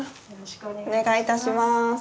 お願いいたします。